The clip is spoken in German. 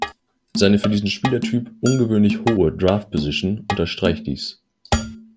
Seine für diesen Spielertyp ungewöhnlich hohe Draft-Position unterstreicht dies.